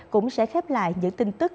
cũng sẽ khép lại những tin tức